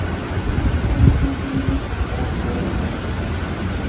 Ishkay pukyumi trakraatraw kan.